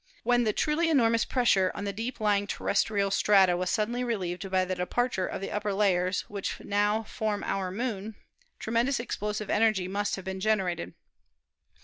When the truly enormous pressure on the deep lying terrestrial strata was suddenly relieved by the departure of the upper layers, which now form our Moon, tremendous explosive energy must have been generated.